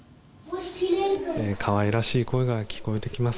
可愛らしい声が聞こえてきます。